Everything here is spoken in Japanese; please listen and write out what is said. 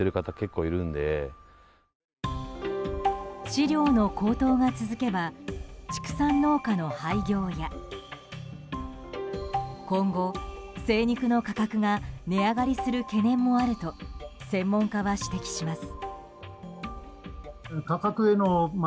飼料の高騰が続けば畜産農家の廃業や今後、精肉の価格が値上がりする懸念もあると専門家は指摘します。